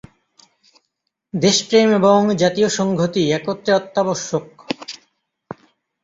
দেশপ্রেম এবং জাতীয় সঙ্ঘতি একত্রে অত্যাবশ্যক।